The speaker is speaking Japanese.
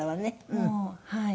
もうはい。